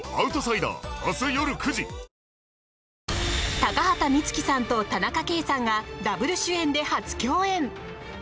高畑充希さんと田中圭さんがダブル主演で初共演。